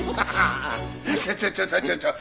ちょちょちょちょ。